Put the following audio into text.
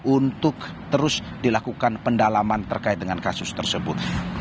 untuk terus dilakukan pendalaman terkait dengan kasus tersebut